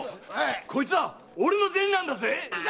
これは俺の銭なんだぜ！